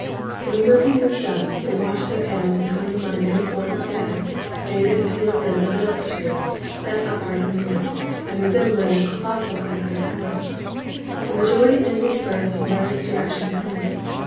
When the milking was done they washed their pails and hung them on a many forked stand made of the peeled limb of an oak tree, set upright in the earth, and resembling a colossal antlered horn. The majority then dispersed in various directions homeward.